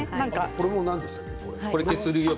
これは何でしたっけ？